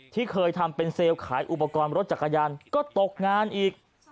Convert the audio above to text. ที่เคยทำเป็นเซลล์ขายอุปกรณ์รถจักรยานก็ตกงานอีก